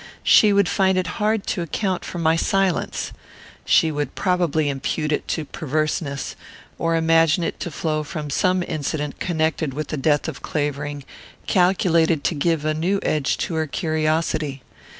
She would find it hard to account for my silence. She would probably impute it to perverseness, or imagine it to flow from some incident connected with the death of Clavering, calculated to give a new edge to her curiosity.